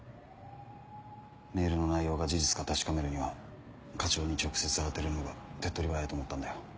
メールの内容が事実か確かめるには課長に直接当てるのが手っ取り早いと思ったんだよ。